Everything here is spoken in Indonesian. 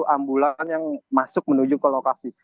ambulan yang masuk menuju ke lokasi